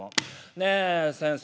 「ねえ先生